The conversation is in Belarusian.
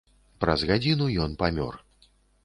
Праз гадзіну ён памёр.